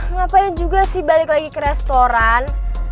ngapain juga sih balik lagi ke restoran